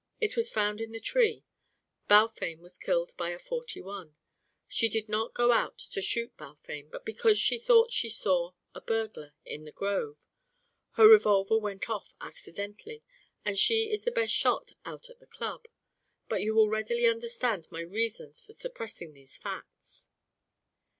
It was found in the tree. Balfame was killed by a forty one. She did not go out to shoot Balfame, but because she thought she saw a burglar in the grove. Her revolver went off accidentally and she is the best shot out at the Club. But you will readily understand my reasons for suppressing these facts."